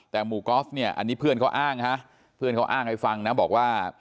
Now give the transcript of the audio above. แต่หมู่กอล์ฟเนี่ยอันนี้เพื่อนเขาอ้างฮะเพื่อนเขาอ้างให้ฟังนะบอกว่า